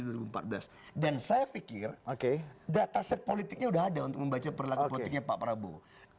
dan saya pikir data set politiknya sudah ada untuk membaca perlaku politiknya pak prabowo